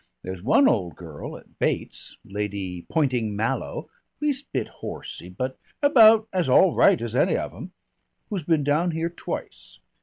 There's one old girl at Bate's, Lady Poynting Mallow least bit horsey, but about as all right as any of 'em who's been down here twice.